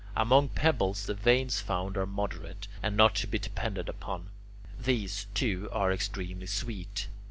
Among pebbles the veins found are moderate, and not to be depended upon. These, too, are extremely sweet.